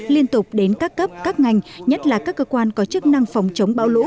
liên tục đến các cấp các ngành nhất là các cơ quan có chức năng phòng chống bão lũ